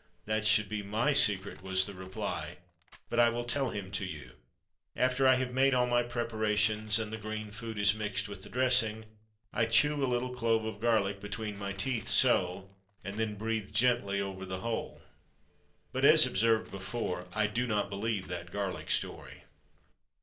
that should be my secret," was the reply. "But I will tell him to you. After I have made all my preparations, and the green food is mixed with the dressing, I chew a little clove of garlic between my teeth so and then breathe gently over the whole." But, as observed before, I do not believe that garlic story.